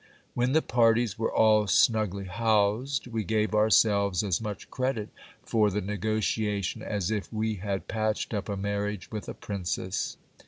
When the parties were all snugly housed, we gave ourselves as much credit for the negotiation as if we had patched up a marriage with a princess.